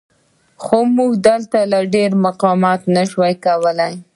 خو موږ دلته تر ډېره مقاومت نه شو کولی.